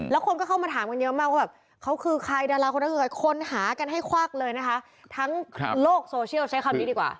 แล้วคนก็เข้ามาถามกันเยอะมากว่าแบบเขาคือใครดาราคนนั้นคือใครคนหากันให้ควักเลยนะคะทั้งโลกโซเชียลใช้คำนี้ดีกว่า